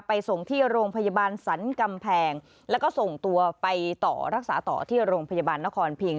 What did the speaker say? ส่งที่โรงพยาบาลสรรกำแพงแล้วก็ส่งตัวไปต่อรักษาต่อที่โรงพยาบาลนครพิง